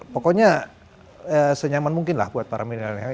pokoknya senyaman mungkin lah buat para milenial